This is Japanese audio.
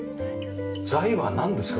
材はなんですか？